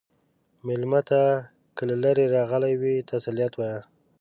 مېلمه ته که له لرې راغلی وي، تسلیت وایه.